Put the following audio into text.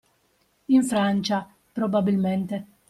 In Francia, probabilmente.